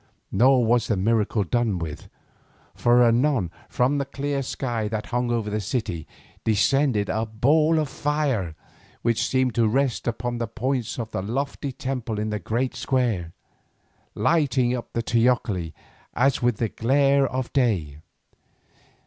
Nor was the miracle done with, for anon from the clear sky that hung over the city, descended a ball of fire, which seemed to rest upon the points of the lofty temple in the great square, lighting up the teocalli as with the glare of day.